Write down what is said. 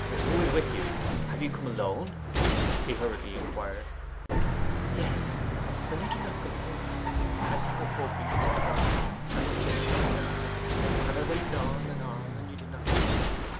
'Who is with you? Have you come alone?' he hurriedly inquired. 'Yes. When you did not come last night, I sat up hoping you would come and the night was all agony and I waited on and on, and you did not come!